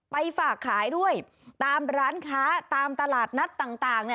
ไปฝากขายด้วยตามร้านค้าตามตลาดนัดต่าง